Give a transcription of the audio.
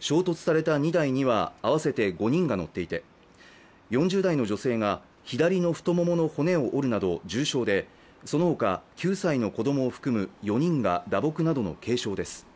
衝突された２台には合わせて５人が乗っていて４０代の女性が左の太ももの骨を折るなど重傷で、その他、９歳の子どもを含む４人が打撲などの軽傷です。